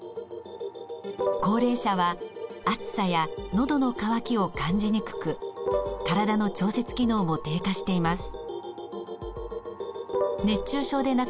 高齢者は暑さやのどの渇きを感じにくく体の調節機能も低下しています。